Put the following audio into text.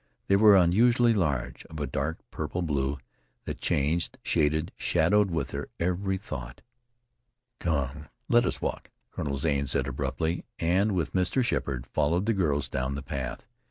They were unusually large, of a dark purple blue that changed, shaded, shadowed with her every thought. "Come, let us walk," Colonel Zane said abruptly, and, with Mr. Sheppard, followed the girls down the path.